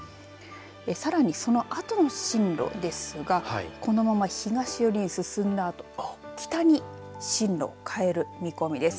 さらにそのあとの進路ですがこのまま東寄りに進んだあと北に進路を変える見込みです。